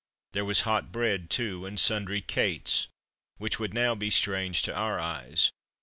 There was hot bread, too, and sundry 'cates' which would now be strange to our eyes.